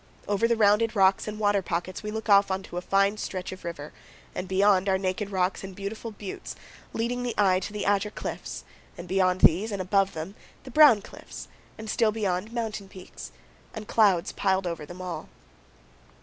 Over the rounded rocks and water pockets we look off on a fine Stretch of river, and beyond are naked rocks and beautiful buttes leading the eye to the Azure Cliffs, and beyond these and above them the Brown Cliffs, and still beyond, mountain peaks; and clouds piled over all.